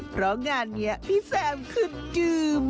เพราะงานนี้พี่แซมคือดื่ม